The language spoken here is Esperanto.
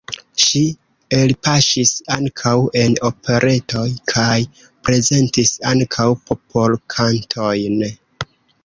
Ŝi elpaŝis ankaŭ en operetoj kaj prezentis ankaŭ popolkantojn.